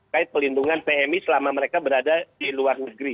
kait pelindungan pmi selama mereka berada di luar negeri